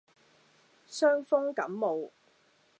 傷風感冒